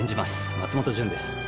松本潤です。